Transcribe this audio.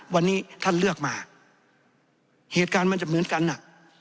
วันนี้ท่านเลือกมาเหตุการณ์มันจะเหมือนกันน่ะ